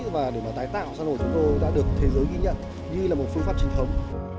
và để mà tái tạo sân hồ chúng tôi đã được thế giới ghi nhận như là một phương pháp trình thống